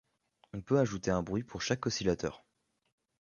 On peut ajouter un bruit pour chaque oscillateur.